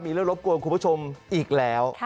มีเรื่องรบกวนคุณผู้ชมอีกแล้ว